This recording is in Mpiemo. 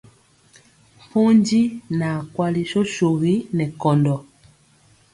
Pondi naa kwali sosogi nɛ kɔndɔ.